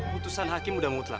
putusan hakim sudah mutlak